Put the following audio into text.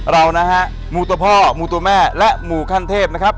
เรานะฮะมูตัวพ่อมูตัวแม่และหมู่ขั้นเทพนะครับ